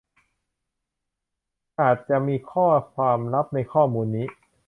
อาจจะมีข้อความลับในข้อมูลนี้